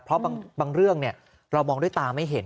เพราะบางเรื่องเรามองด้วยตาไม่เห็น